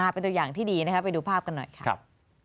เป็นตัวอย่างที่ดีนะครับไปดูภาพกันหน่อยค่ะ